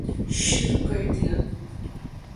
شروع کردیا